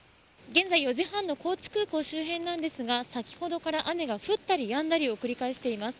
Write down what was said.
現在４時半の高知空港周辺なんですが先ほどから雨が降ったりやんだりを繰り返しています。